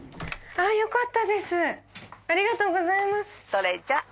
それじゃ。